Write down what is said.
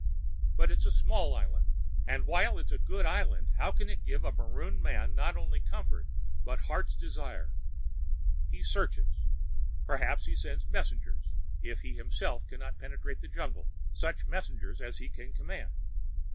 But it's a small island. And while it's a good island how can it give a marooned man not only comfort but heart's desire? He searches. He perhaps send messengers, if he himself cannot penetrate the jungle; such messengers as he can command.